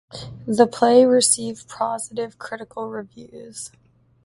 The play received positive critical reviews.